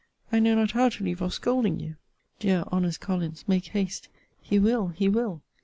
I know not how to leave off scolding you! Dear, honest Collins, make haste: he will: he will.